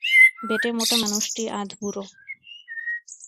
বেঁটে মোটা মানুষটি আধবুড়ো।